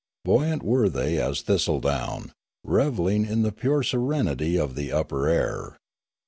Buoyant were they as thistle down, revelling in the pure serenity of the upper air.